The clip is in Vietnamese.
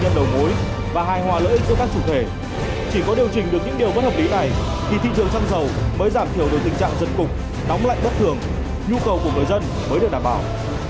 nhu cầu của người dân mới được đảm bảo